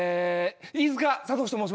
飯塚悟志と申します。